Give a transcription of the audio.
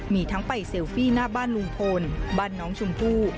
มีทั้งไปเซลฟี่หน้าบ้านลุงพลบ้านน้องชมพู่